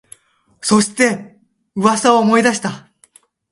そして、噂を思い出した